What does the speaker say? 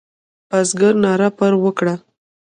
بزګر ناره پر وکړه.